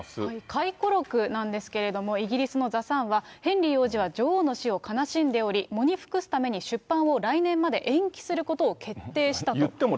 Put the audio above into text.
回顧録なんですけれども、イギリスのザ・サンは、ヘンリー王子は女王の死を悲しんでおり、喪に服すために、出版を来年まで延期することを決定したと。